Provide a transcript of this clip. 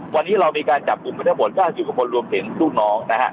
วันนี้เรามีการจับกลุ่มไปทั้งหมด๙๐กว่าคนรวมถึงลูกน้องนะฮะ